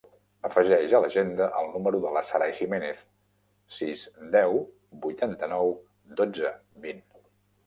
Afegeix a l'agenda el número de la Saray Gimenez: sis, deu, vuitanta-nou, dotze, vint.